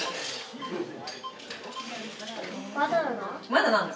まだなの？